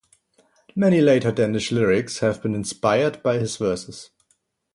Many later Danish lyrics have been inspired by his verses.